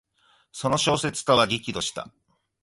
その小説家は激怒した。